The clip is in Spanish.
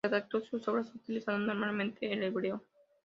Redactó sus obras utilizando normalmente el hebreo.